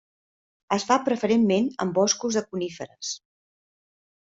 Es fa preferentment en boscos de coníferes.